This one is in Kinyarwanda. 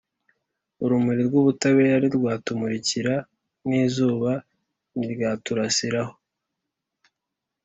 urumuri rw’ubutabera ntirwatumurikira, n’izuba ntiryaturasiraho.